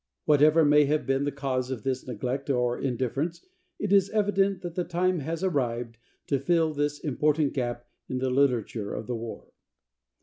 Whatever may have been the cause of this neglect or indifference, it is evident that the time has arrived to fill this important gap in the literature of the war.